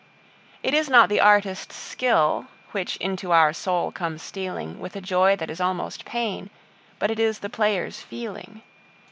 It is not the artist's skill which into our soul comes stealing With a joy that is almost pain, but it is the player's feeling.